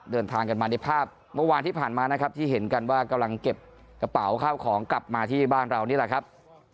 เดินทางกันมาในภาพเมื่อวานที่ผ่านมานะครับที่เห็นกันว่ากำลังเก็บกระเป๋าข้าวของกลับมาที่บ้านเรานี่แหละครับ